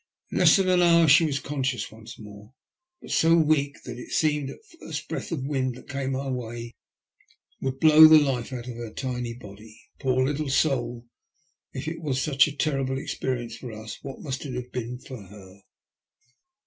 In less than an hour she was conscious once more, but so weak that it seemed as if the first breath of wind that came our way would blow the life out of her tiny body. Poor Uttle soul, if it was such a terrible experience for us, what must it have been for her